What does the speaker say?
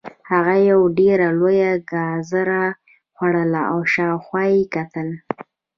هغه یوه ډیره لویه ګازره خوړله او شاوخوا یې کتل